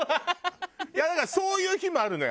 いやだからそういう日もあるのよ